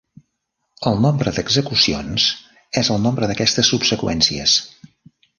El nombre d'execucions és el nombre d'aquestes subseqüències.